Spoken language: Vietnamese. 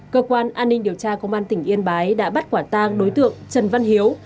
cơ quan an ninh điều tra công an tỉnh yên bái đã bắt quả tang đối tượng trần văn hiếu